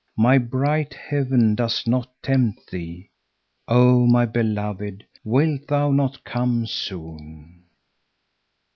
My bright heaven does not tempt thee. "Oh, my beloved, wilt thou not come soon?"